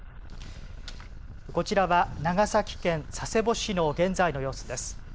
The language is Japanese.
こちらは長崎県佐世保市の現在の様子です。